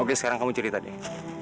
mungkin sekarang kamu cerita deh